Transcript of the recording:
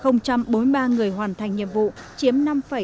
chín mươi bảy bốn mươi ba người hoàn thành nhiệm vụ chiếm năm tám mươi năm